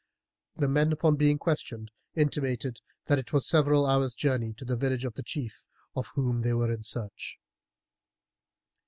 The men upon being questioned intimated that it was several hours' journey to the village of the chief of whom they were in search.